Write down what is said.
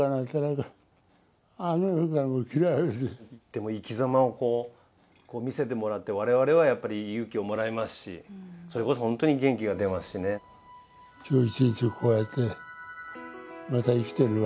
でも、生きざまを見せてもらって我々は、やっぱり勇気をもらいますしそれこそ、ホントに元気が出ますしね。ですよね。